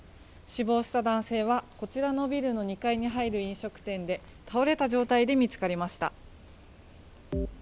死亡した男性は、こちらのビルの２階に入る飲食店で、倒れた状態で見つかりました。